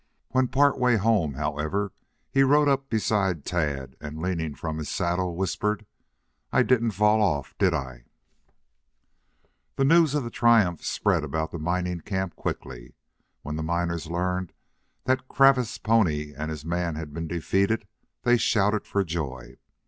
When part way home, however, he rode up beside Tad, and leaning from his saddle, whispered, "I didn't fall off, did I?" The news of triumph spread about the mining camp quickly. When the miners learned that Cravath's pony and his man had been defeated, they shouted for joy.